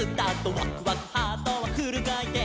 「ワクワクハートはフルかいてん」